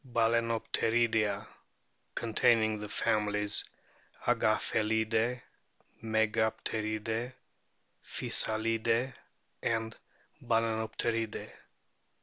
Balaenopteroidea, containing the families Agaphe lidae, Megapteridae, Physalidae, and Baleenopteridae.